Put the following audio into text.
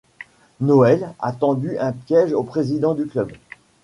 Noel, a tendu un piège au président du Club.